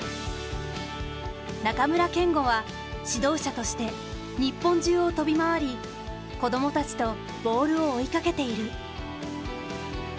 中村憲剛は指導者として日本中を飛び回り子供たちとボールを追いかけている。